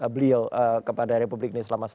beliau kepada republik ini selama